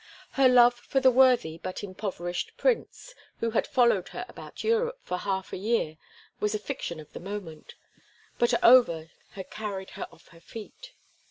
Her love for the worthy but impoverished prince who had followed her about Europe for half a year was a fiction of the moment, but Over had carried her off her feet.